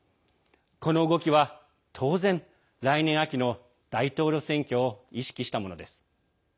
この動きは当然来年秋の大統領選挙を意識したものです。